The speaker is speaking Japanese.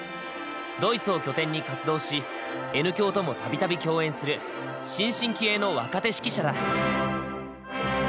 ドイツを拠点に活動しＮ響ともたびたび共演する新進気鋭の若手指揮者だ。